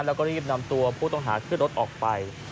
แล้วก็รีบนำตัวผู้ต้องหาขึ้นรถออกไป